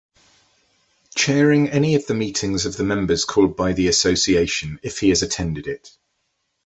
Chairing any of the meetings of the members called by the Association if he has attended it.